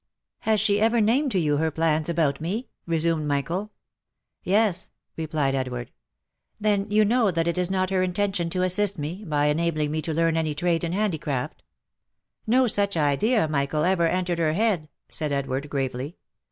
" Has she ever named to you her plans about me?" resumed Mi chael. " Yes !" replied Edward. " Then you know that it is not her intention to assist me, by en abling me to learn any trade in handicraft V " No such idea, Michael, ever entered her head," said Edward, gravely.